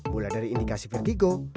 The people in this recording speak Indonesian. mulai dari indikasi vertigo